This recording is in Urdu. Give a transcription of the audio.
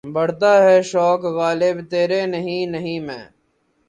بڑھتا ہے شوق "غالب" تیرے نہیں نہیں میں.